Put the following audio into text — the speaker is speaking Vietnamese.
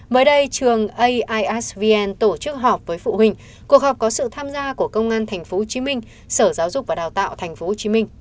mới đây trường aisvn tổ chức họp với phụ huynh cuộc họp có sự tham gia của công an tp hcm sở giáo dục và đào tạo tp hcm